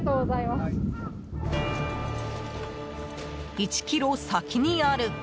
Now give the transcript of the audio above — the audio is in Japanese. １ｋｍ先にある。